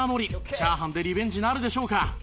チャーハンでリベンジなるでしょうか？